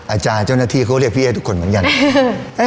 อาจารย์เจ้าหน้าที่เขาเรียกพี่ให้ทุกคนเหมือนกัน